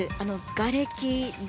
がれき、泥